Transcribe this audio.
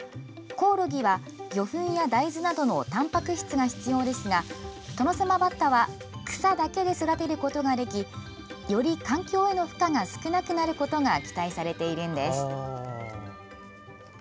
コオロギは魚粉や大豆などのたんぱく質が必要ですがトノサマバッタは草だけで育てることができより環境への負荷が少なくなることが期待されているんです。